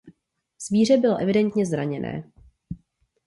Zvíře bylo evidentně zraněné.